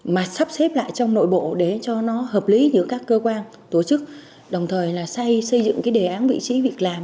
mà sắp xếp lại trong nội bộ để cho nó hợp lý giữa các cơ quan tổ chức đồng thời là xây xây dựng cái đề án vị trí việc làm